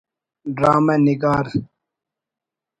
ڈرامہ نگار